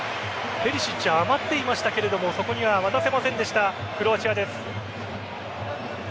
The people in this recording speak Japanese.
ペリシッチ余っていましたがそこには渡せませんでしたクロアチアです。